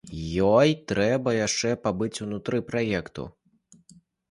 Ёй трэба яшчэ пабыць унутры праекту.